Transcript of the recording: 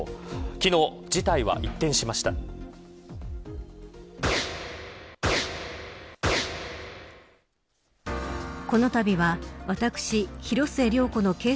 昨日、事態は一転しました。